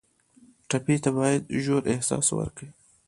ټپي ته باید ژور احساس ورکړو.